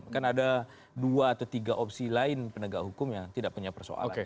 kan ada dua atau tiga opsi lain penegak hukum yang tidak punya persoalan